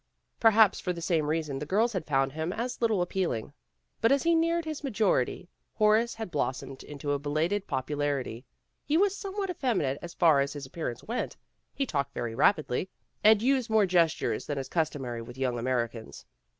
'' Perhaps for the same reason, the girls had found him as little appealing. But as he neared his majority, Horace had blossomed into a belated popu AN AFTERNOON CALL 63 larity. He was somewhat effeminate as far as his appearance went. He talked very rapidly, and used more gestures than is customary with young Americans.